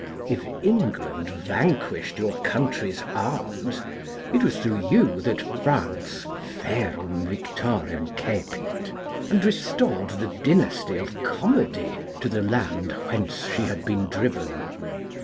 If England vanquished your country's arms, it was through you that France ferum victorem cepit, and restored the dynasty of Comedy to the land whence she had been driven.